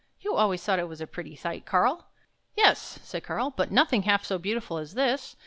"You always thought it was a pretty sight, Karl." "Yes," said Karl, " but nothing half so beautiful as this.